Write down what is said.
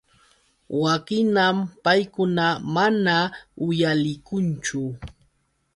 Wakhinam paykuna mana uyalikunchu.